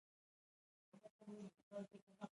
سمندر نه شتون د افغانستان د شنو سیمو ښکلا ده.